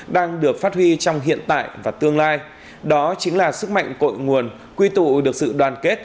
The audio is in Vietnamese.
đang được phát huy trong hiện tại và tương lai đó chính là sức mạnh cội nguồn quy tụ được sự đoàn kết